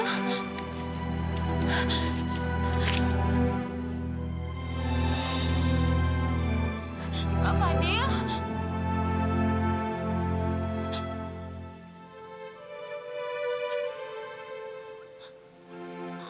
aku sudah mencintai kamila